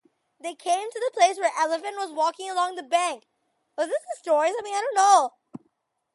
They came to the place where Elephant was walking along the bank.